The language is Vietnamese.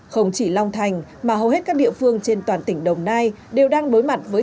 không chỉ long thành mà hầu hết các địa phương trên toàn tỉnh đồng nai đều đang đối mặt với